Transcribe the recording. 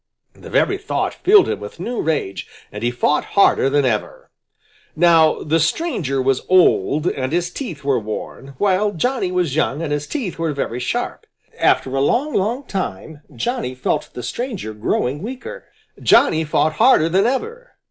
The very thought filled him with new rage and he fought harder than ever. Now the stranger was old and his teeth were worn, while Johnny was young and his teeth were very sharp. After a long, long time, Johnny felt the stranger growing weaker. Johnny fought harder than ever.